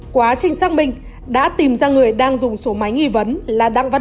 quá trinh sát minh đã tìm ra người đang dùng số máy nghi vấn